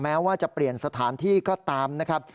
แม้ว่าจะเปลี่ยนสถานที่ก็ตามนะครับ